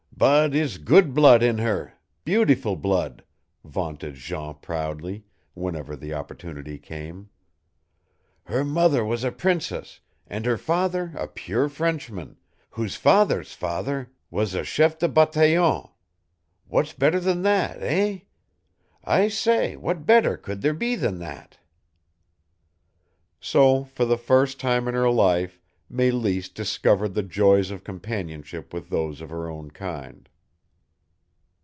"But it's good blood in her, beautiful blood," vaunted Jean proudly, whenever the opportunity came. "Her mother was a princess, and her father a pure Frenchman, whose father's father was a chef de bataillon. What better than that, eh? I say, what better could there be than that?" So, for the first time in her life, Mélisse discovered the joys of companionship with those of her own kind.